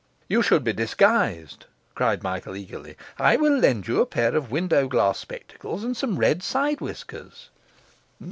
'You should be disguised,' cried Michael eagerly; 'I will lend you a pair of window glass spectacles and some red side whiskers.